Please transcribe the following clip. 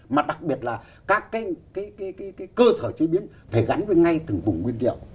mà đặc biệt là các cơ sở chế biến phải gắn với ngay từng vùng nguyên liệu